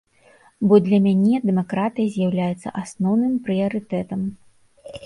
Бо для мяне дэмакратыя з'яўляецца асноўным прыярытэтам.